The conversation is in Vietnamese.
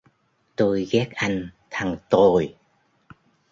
tôi ghét anh thằng tồi